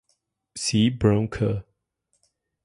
C. Brown Co.